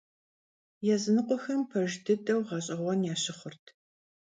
Yazınıkhuexem pejj dıdeu ğeş'eğuen yaşıxhurt.